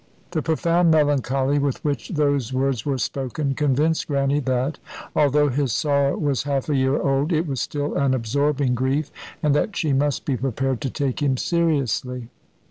The profound melancholy with which those words were spoken convinced Grannie that, although his sorrow was half a year old, it was still an absorbing grief, and that she must be prepared to take him seriously.